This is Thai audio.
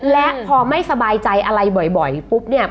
และพอไม่สบายใจอะไรบ่อยปุ๊บเนี่ย